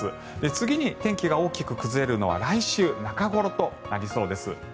次に天気が大きく崩れるのは来週中ごろとなりそうです。